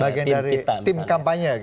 bagian dari tim kampanye